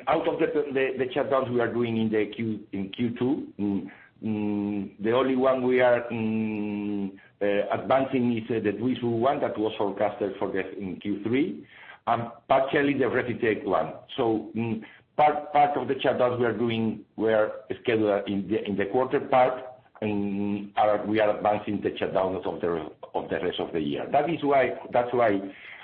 Out of the shutdowns we are doing in Q2, the only one we are advancing is the Duisburg one that was forecasted for in Q3, and partially the Rethwisch one. Part of the shutdowns we are doing were scheduled in the quarter part, and we are advancing the shutdowns of the rest of the year. That is why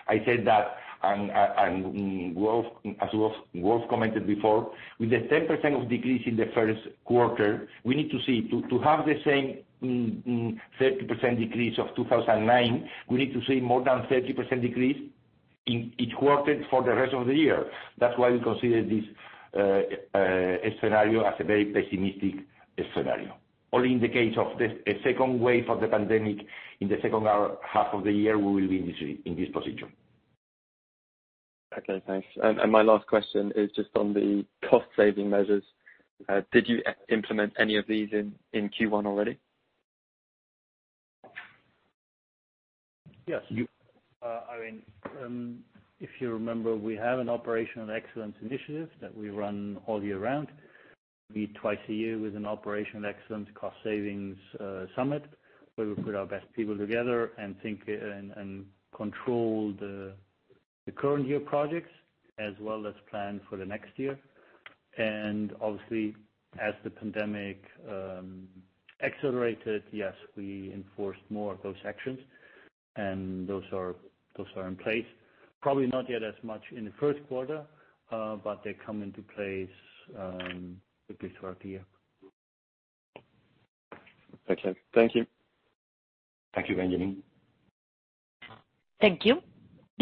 I said that, and as Wolf commented before, with the 10% of decrease in the first quarter, to have the same 30% decrease of 2009, we need to see more than 30% decrease in each quarter for the rest of the year. That's why we consider this scenario as a very pessimistic scenario. Only in the case of the second wave of the pandemic in the second half of the year, we will be in this position. Okay, thanks. My last question is just on the cost-saving measures. Did you implement any of these in Q1 already? Yes. If you remember, we have an Operational Excellence Initiative that we run all year round. We meet twice a year with an Operational Excellence Cost Savings Summit, where we put our best people together and control the current year projects as well as plan for the next year. Obviously, as the pandemic accelerated, yes, we enforced more of those actions. Those are in place, probably not yet as much in the first quarter, but they come into place quickly throughout the year. Okay. Thank you. Thank you, Benjamin. Thank you.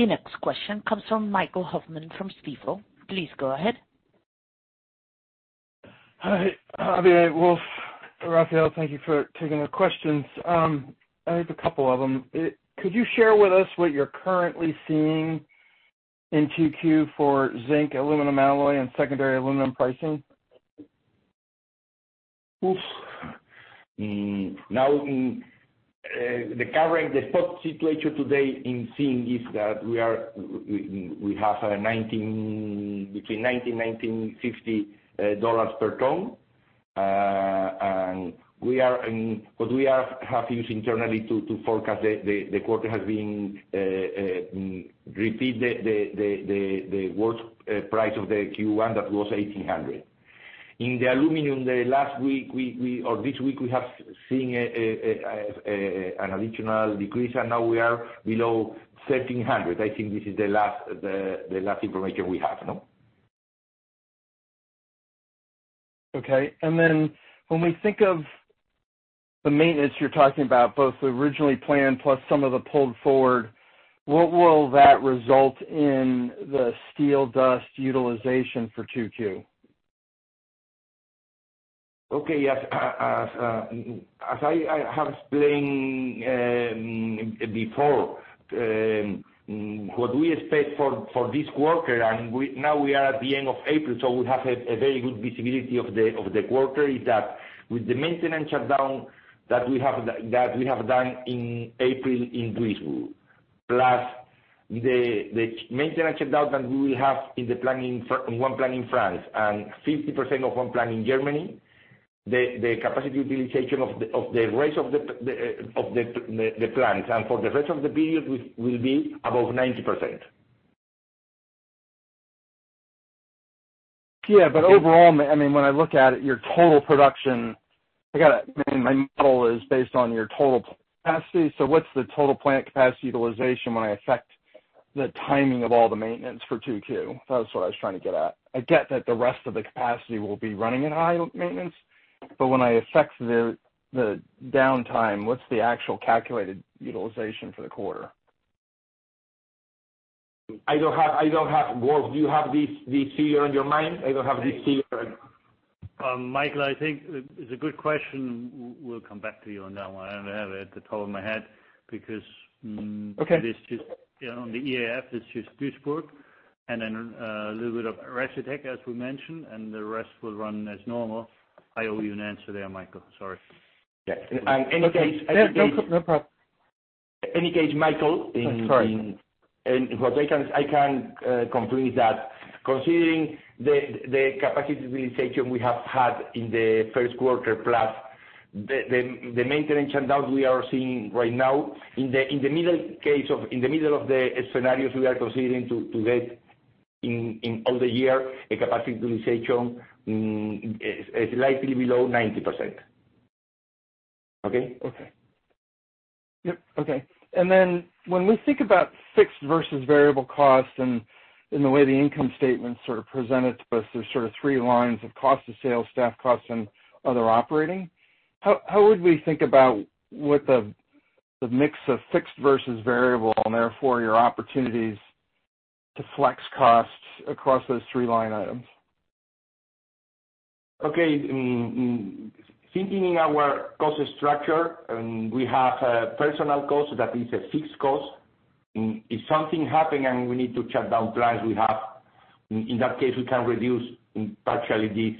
The next question comes from Michael Hoffman from Stifel. Please go ahead. Hi, Javi, Wolf, Rafael, thank you for taking the questions. I have a couple of them. Could you share with us what you're currently seeing in 2Q for zinc aluminum alloy and secondary aluminum pricing? Now, covering the stock situation today in zinc is that we have between 1,900 and EUR 1,950 per ton. What we have used internally to forecast the quarter has been repeat the worst price of the Q1, that was 1,800. In the aluminum, this week we have seen an additional decrease, and now we are below 1,700. I think this is the last information we have now. Okay. When we think of the maintenance you're talking about, both the originally planned plus some of the pulled forward, what will that result in the steel dust utilization for 2Q? Okay. Yes. As I have explained before, what we expect for this quarter, and now we are at the end of April, so we have a very good visibility of the quarter, is that with the maintenance shutdown that we have done in April in Duisburg, plus the maintenance shutdown that we will have in one plant in France and 50% of one plant in Germany, the capacity utilization of the rest of the plants and for the rest of the period will be above 90%. Yeah. Overall, when I look at it, your total production, my model is based on your total capacity. What's the total plant capacity utilization when I affect the timing of all the maintenance for 2Q? That's what I was trying to get at. I get that the rest of the capacity will be running in high maintenance, but when I affect the downtime, what's the actual calculated utilization for the quarter? I don't have. Wolf, do you have these figures on your mind? I don't have these figures. Michael, I think it is a good question. We will come back to you on that one. I do not have it at the top of my head. Okay on the EAF, it's just Duisburg. A little bit of Recytech, as we mentioned, and the rest will run as normal. I owe you an answer there, Michael. Sorry. Yeah. In any case. No problem. Any case, Michael. Sorry. [José], I can conclude that considering the capacity utilization we have had in the first quarter, plus the maintenance shutdown we are seeing right now, in the middle case, in the middle of the scenarios we are considering to get in all the year, a capacity utilization is likely below 90%. Okay? Okay. Yep, okay. When we think about fixed versus variable costs and in the way the income statement's sort of presented to us, there's sort of three lines of cost of sales, staff costs, and other operating. How would we think about what the mix of fixed versus variable and therefore your opportunities to flex costs across those three line items? Okay. Thinking in our cost structure, we have personnel cost, that is a fixed cost. If something happens and we need to shut down plants we have, in that case, we can reduce partially these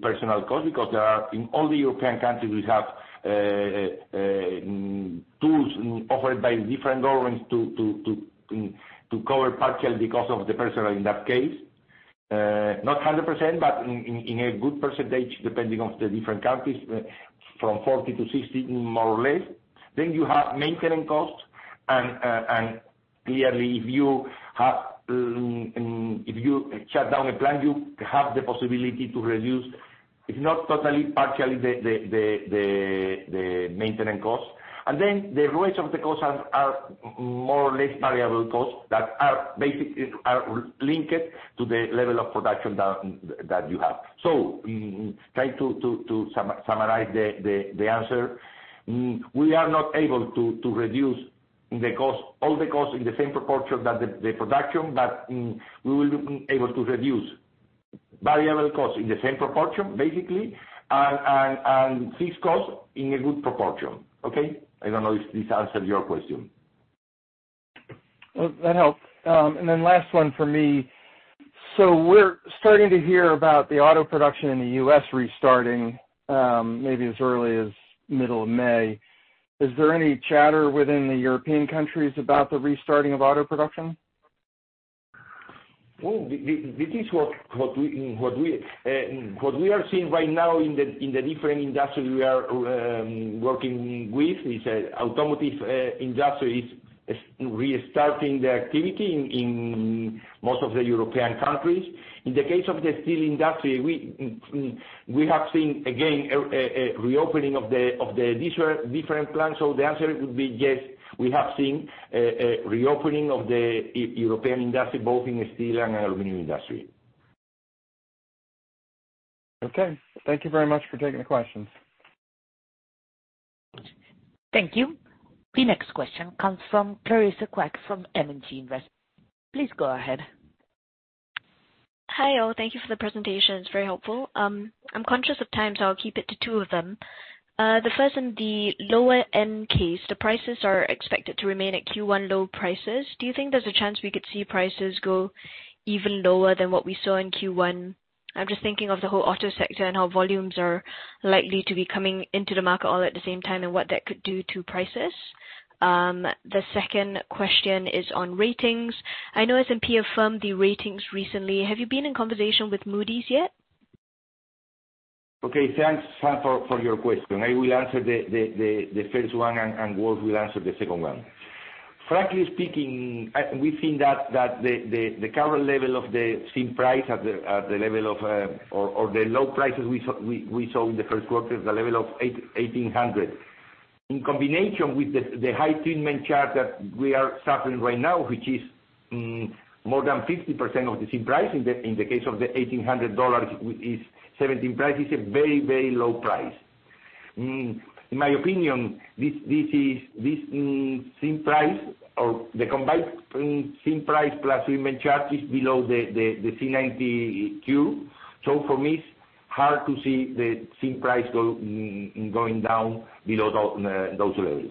personnel cost because there are, in all the European countries, we have tools offered by different governments to cover partially the cost of the personnel in that case. Not 100%, but in a good percentage depending on the different countries, from 40%-60%, more or less. You have maintenance costs, and clearly, if you shut down a plant, you have the possibility to reduce, if not totally, partially the maintenance cost. The rest of the costs are more or less variable costs that are basically are linked to the level of production that you have. Try to summarize the answer. We are not able to reduce all the costs in the same proportion that the production, but we will be able to reduce variable costs in the same proportion, basically, and fixed cost in a good proportion. Okay? I don't know if this answered your question. Well, that helped. Last one from me. We're starting to hear about the auto production in the U.S. restarting, maybe as early as middle of May. Is there any chatter within the European countries about the restarting of auto production? This is what we are seeing right now in the different industry we are working with, is automotive industry is restarting the activity in most of the European countries. In the case of the steel industry, we have seen, again, a reopening of the different plants. The answer would be yes. We have seen a reopening of the European industry, both in steel and aluminum industry. Okay. Thank you very much for taking the questions. Thank you. The next question comes from Clarissa Quak from M&G Investments. Please go ahead. Hi, all. Thank you for the presentation. It's very helpful. I'm conscious of time, so I'll keep it to two of them. The first, in the lower end case, the prices are expected to remain at Q1 low prices. Do you think there's a chance we could see prices go even lower than what we saw in Q1? I'm just thinking of the whole auto sector and how volumes are likely to be coming into the market all at the same time, and what that could do to prices. The second question is on ratings. I know S&P affirmed the ratings recently. Have you been in conversation with Moody's yet? Okay, thanks for your question. I will answer the first one. Jorge will answer the second one. Frankly speaking, we think that the current level of the zinc price at the level of, or the low prices we saw in the first quarter, the level of 1,800. In combination with the high treatment charge that we are suffering right now, which is more than 50% of the same price, in the case of the EUR 1,800 is 17 price, is a very, very low price. In my opinion, this same price or the combined same price plus treatment charge is below the C 92. For me, it's hard to see the same price going down below those levels.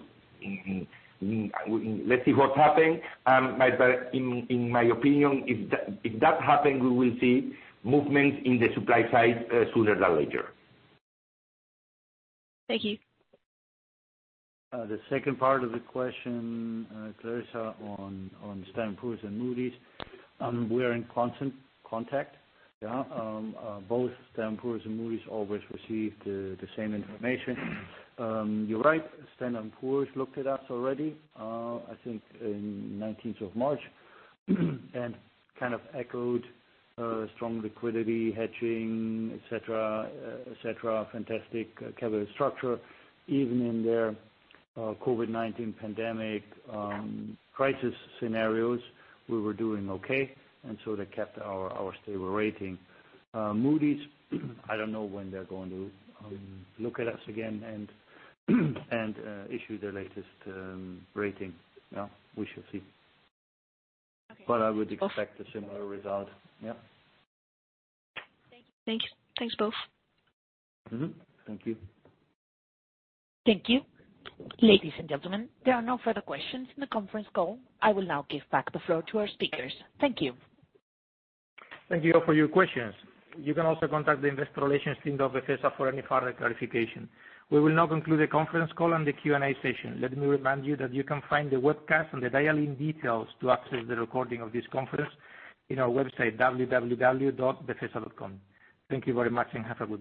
Let's see what happen. In my opinion, if that happen, we will see movement in the supply side sooner than later. Thank you. The second part of the question, Clarissa, on Standard & Poor's and Moody's. We're in constant contact, yeah. Both Standard & Poor's and Moody's always receive the same information. You're right, Standard & Poor's looked at us already, I think in 19th of March, and kind of echoed strong liquidity, hedging, et cetera, et cetera, fantastic capital structure. Even in their COVID-19 pandemic crisis scenarios, we were doing okay, and so they kept our stable rating. Moody's, I don't know when they're going to look at us again and issue their latest rating. Yeah. We shall see. Okay. I would expect a similar result. Yeah. Thank you. Thanks both. Mm-hmm. Thank you. Thank you. Ladies and gentlemen, there are no further questions in the conference call. I will now give back the floor to our speakers. Thank you. Thank you all for your questions. You can also contact the investor relations team of Befesa for any further clarification. We will now conclude the conference call and the Q&A session. Let me remind you that you can find the webcast and the dial-in details to access the recording of this conference in our website, www.befesa.com. Thank you very much, and have a good day.